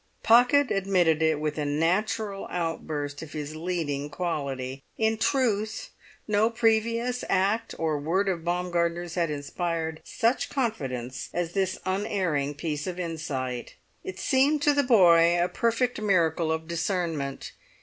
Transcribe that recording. Pocket admitted it with a natural outburst of his leading quality. In truth no previous act or word of Baumgartner's had inspired such confidence as this unerring piece of insight. It seemed to the boy a perfect miracle of discernment.